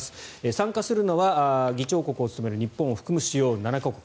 参加するのは議長国を務める日本を含む主要７か国。